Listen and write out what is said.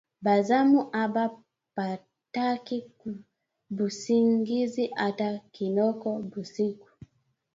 Ba zamu aba pataki busingizi ata kiloko busiku